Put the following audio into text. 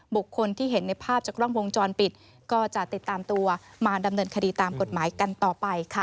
บุคคลที่เห็นในภาพจากกล้องวงจรปิดก็จะติดตามตัวมาดำเนินคดีตามกฎหมายกันต่อไปค่ะ